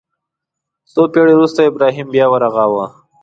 څو پېړۍ وروسته ابراهیم بیا ورغاوه.